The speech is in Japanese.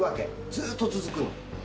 ずーっと続くの。